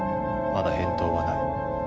まだ返答はない。